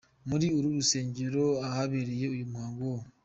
Muri uru rusengero ahabereye uyu muhango wo.